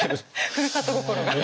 ふるさと心が。